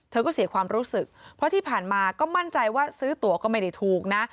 เธอก็เสียความรู้สึกเพราะที่ผ่านมาก็มั่นใจว่าซื้อตัวก็ไม่ได้ถูกนะ